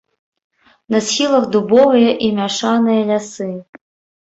На схілах дубовыя і мяшаныя лясы.